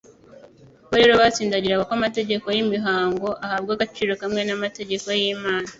Bo rero batsindagiraga ko amategeko y'imihango ahabwa agaciro kamwe n'amategeko y'Imana.